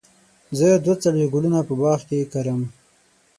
زه دوه څلوېښت ګلونه په باغ کې وکرل.